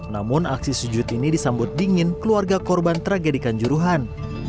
namun aksi sujud ini disambut dingin keluarga korban tragedikan juruhan